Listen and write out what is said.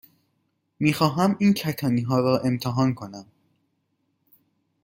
می خواهم این کتانی ها را امتحان کنم.